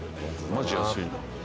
マジ安いな。